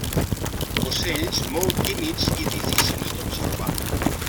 Ocells molt tímids i difícils d'observar.